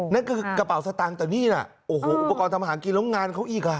นั่นคือกระเป๋าสตางค์แต่นี่น่ะโอ้โหอุปกรณ์ทำอาหารกินแล้วงานเขาอีกอ่ะ